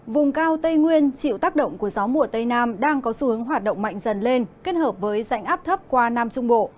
vùng cao tây nguyên chịu tác động của gió mùa tây nam đang có xu hướng hoạt động mạnh dần lên kết hợp với rãnh áp thấp qua nam trung bộ